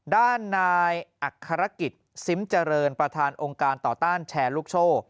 ด้านนายอักษรกิจซิมเจริญประธานองค์การต่อต้านแชร์ลูกโซ่